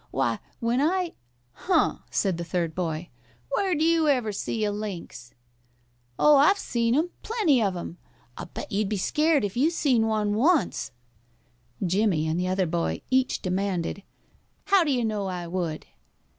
Why, when I " "Huh!" said the third boy. "Where'd you ever see a lynx?" "Oh, I've seen 'em plenty of 'em. I bet you'd be scared if you seen one once." Jimmie and the other boy each demanded, "How do you know I would?"